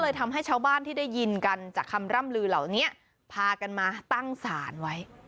ทำให้ชาวบ้านที่ได้ยินกันจากคำร่ำลือเหล่านี้พากันมาตั้งศาลไว้